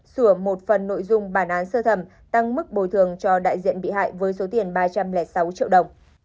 sửa một phần nội dung bản án sơ thẩm tăng mức bồi thường cho đại diện bị hại với số tiền ba trăm linh sáu triệu đồng